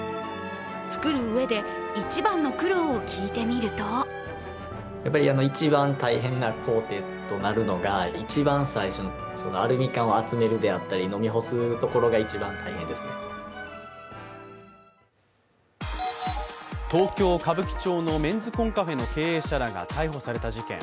作る上で一番の苦労を聞いてみると東京・歌舞伎町のメンズコンカフェの経営者らが逮捕された事件。